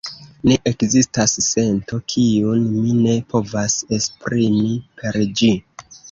Ne ekzistas sento, kiun mi ne povas esprimi per ĝi.